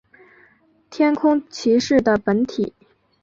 天空骑士的本体。